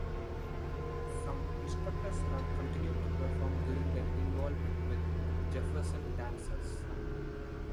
Some instructors have continued to perform during their involvement with the Jefferson Dancers.